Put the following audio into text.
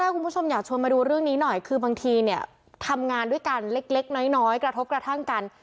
คุณผู้ชมอยากชวนมาดูเรื่องนี้หน่อยคือบางทีเนี่ยทำงานด้วยกันเล็กน้อยกระทบกระทั่งกัน